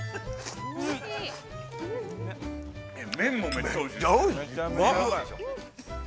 麺も、めっちゃおいしいです。